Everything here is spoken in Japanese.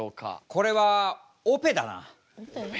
これはオペだな。